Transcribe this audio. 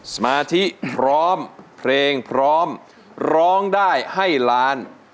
สมาธิพร้อมเพลงพร้อมร้องได้ให้ล้าน